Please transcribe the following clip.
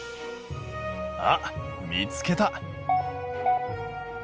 あっ見つけた！